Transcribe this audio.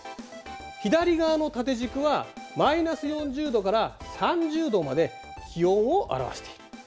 左側の縦軸はマイナス４０度から３０度まで気温を表している。